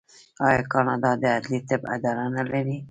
آیا کاناډا د عدلي طب اداره نلري؟